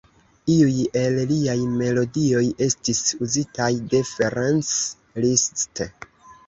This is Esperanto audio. Iuj el liaj melodioj estis uzitaj de Ferenc Liszt.